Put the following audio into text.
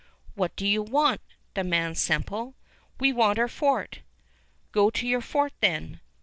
"What do you want?" demands Semple. "We want our fort!" "Go to your fort, then!"